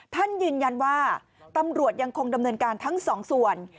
ท่านยืนยันว่าตำรวจยังคงดำเนินการทั้งสองส่วน